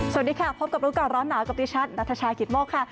สวัสดีค่ะพบกับรู้ก่อนร้อนหนาวกับดิฉันนัทชายกิตโมกค่ะ